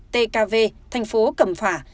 tkv thành phố cẩm phả